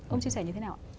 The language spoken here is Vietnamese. ông chia sẻ như thế nào ạ